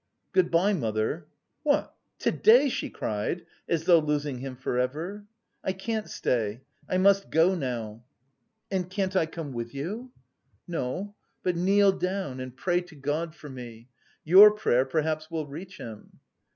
"Good bye, mother." "What, to day?" she cried, as though losing him for ever. "I can't stay, I must go now...." "And can't I come with you?" "No, but kneel down and pray to God for me. Your prayer perhaps will reach Him."